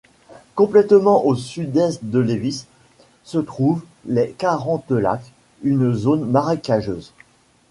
Complètement au sud-est de Lévis se trouve les Quarantes Lacs, une zone marécageuse.